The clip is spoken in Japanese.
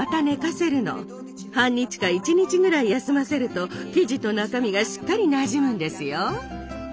半日か１日ぐらい休ませると生地と中身がしっかりなじむんですよ。